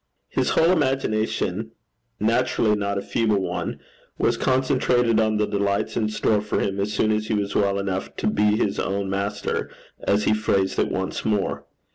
His whole imagination, naturally not a feeble one, was concentrated on the delights in store for him as soon as he was well enough to be his own master, as he phrased it, once more.